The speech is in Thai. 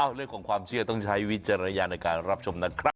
เรื่องของความเชื่อต้องใช้วิจารณญาณในการรับชมนะครับ